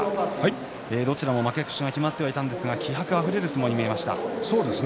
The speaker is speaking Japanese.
どちらも負け越しが決まってはいたんですが気迫あふれる相撲に見えました。